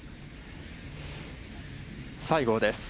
西郷です。